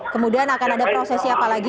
kemudian akan ada prosesi apa lagi